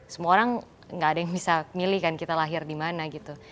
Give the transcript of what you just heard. semua orang gak ada yang bisa milih kan kita lahir di mana gitu